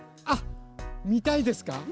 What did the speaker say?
あっみたいですか？